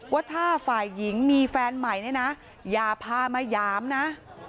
ว่าถ้าฝ่ายหญิงมีแฟนใหม่เนี่ยนะอย่าพามาหยามนะ